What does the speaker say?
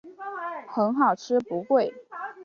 很好吃不贵